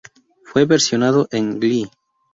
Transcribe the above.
Fue versionado en "Glee".